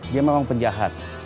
dia memang penjahat